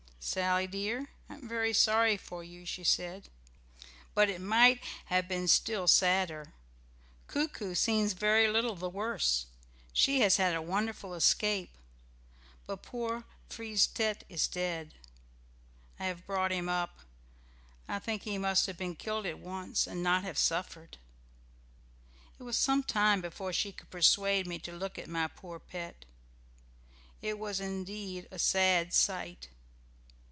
"Sally dear, I am very sorry for you," she said, "but it might have been still sadder. Coo coo seems very little the worse she has had a wonderful escape. But poor Frise tête is dead. I have brought him up I think he must have been killed at once, and not have suffered." It was some time before she could persuade me to look at my poor pet. It was indeed a sad sight.